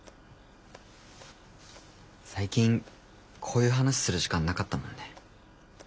最近こういう話する時間なかったもんね。